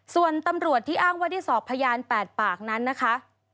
ส่วนตำรวจที่อ้างว่าได้สอบพยาน๘ปากนั้นนะคะ